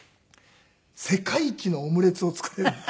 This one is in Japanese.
世界一のオムレツを作れるんです。